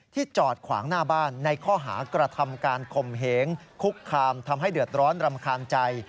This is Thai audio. จอดขวางหน้าบ้านในข้อหากระทำการข่มเหงคุกคามทำให้เดือดร้อนรำคาญใจ